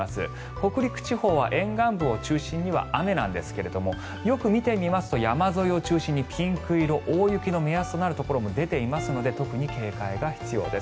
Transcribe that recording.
北陸地方は沿岸部を中心には雨なんですがよく見てみますと山沿いを中心にピンク色大雪の目安となるところも出ていますので特に警戒が必要です。